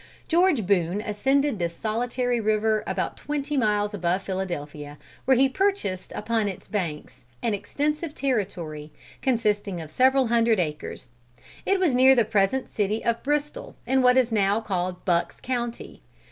George Boone ascended this solitary river about twenty miles above Philadelphia, where he purchased upon its banks an extensive territory, consisting of several hundred acres. It was near the present city of Bristol, in what is now called Buck's County.